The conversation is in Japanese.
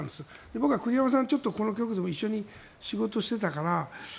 僕は栗山さん、ずっとこの局でも仕事していたから。